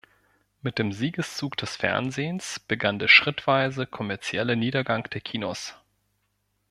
Mit dem Siegeszug des Fernsehens begann der schrittweise kommerzielle Niedergang der Kinos.